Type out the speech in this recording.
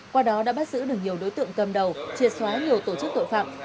qua đó đã bắt giữ được nhiều đối tượng cầm đầu triệt xóa nhiều tổ chức tội phạm